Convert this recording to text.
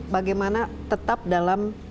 bagaimana tetap dalam